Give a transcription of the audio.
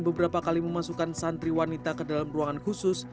beberapa kali memasukkan santriwanita ke dalam ruangan khusus